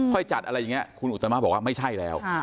จัดอะไรอย่างนี้คุณอุตมาบอกว่าไม่ใช่แล้ว